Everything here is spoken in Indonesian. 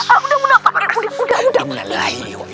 aku juga masih harus urus pindah sekolahnya raffi